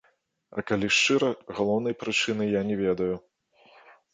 А калі шчыра, галоўнай прычыны я не ведаю.